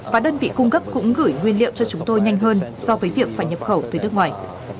và đơn vị cung cấp cũng gửi nguyên liệu cho chúng tôi nhanh hơn do bếp phải nhập khẩu tới nước ngoài